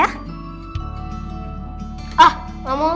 nah sekarang reina sama aldi bergandingkan tangan ya